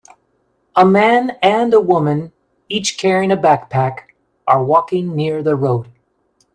A man and a woman, each carrying a backpack, are walking near the road.